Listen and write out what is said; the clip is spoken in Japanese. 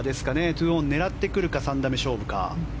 ２オン狙ってくるか３打目勝負か。